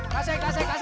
kasih kasih kasih